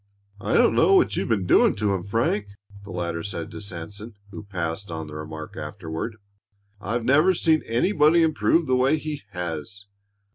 "I don't know what you've been doing to him, Frank," the latter said to Sanson, who passed on the remark afterward. "I've never seen anybody improve the way he has.